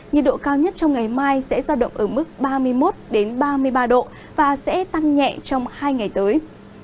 nhiệt độ cao nhất trong ngày mai sẽ giao động ở mức ba mươi một ba mươi ba độ và sẽ tăng nhẹ trong hai ngày tới